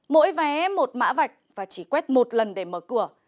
mỗi vé một mã vạch và chỉ quét một lần để mở cửa